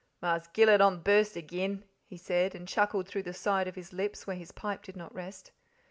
"Marse Gillet on the burst agen," he said, and chuckled through the side of his lips where his pipe did not rest.